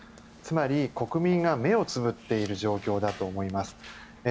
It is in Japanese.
つまり、国民が目をつむっている状況だと思います。